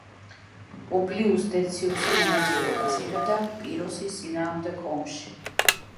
პუბლიუს დეციუსი მონაწილეობას იღებდა პიროსის წინააღმდეგ ომში.